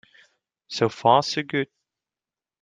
So far so good.